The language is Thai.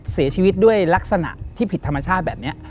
เสียชีวิตด้วยลักษณะที่ผิดธรรมชาติแบบนี้